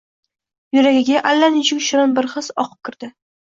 Yuragiga allanechuk shirin bir his oqib kirdi